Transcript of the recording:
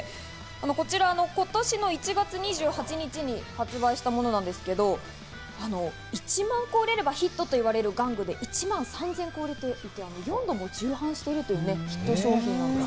こちら今年の１月２８日に発売したものなんですけど、１万個売れればヒットと言われる玩具で１万３０００個売れて、何度も重版しているヒット商品です。